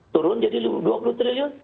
turun jadi dua puluh triliun